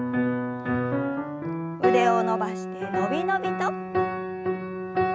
腕を伸ばしてのびのびと。